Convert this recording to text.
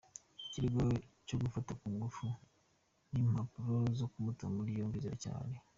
Ikirego cyo gufata ku ngufu n’impapuro zo kumuta muri yombi biracyahari.